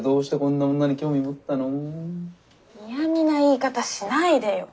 嫌みな言い方しないでよ。